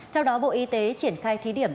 theo đó bộ y tế triển khai thí điểm